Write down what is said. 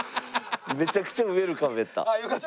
めちゃくちゃウェルカムやった。